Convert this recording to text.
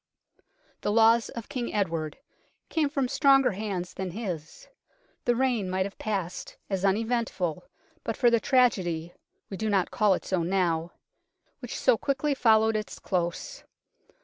" The laws of King Edward " came from stronger hands than his. The reign might have passed as uneventful but for the tragedy (we do not call it so now) which so quickly followed its close.